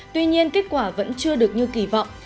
tuy nhiên kết quả vẫn chưa được như kỳ vọng